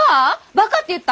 「バカ」って言った！？